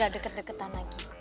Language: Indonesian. gak deket deketan lagi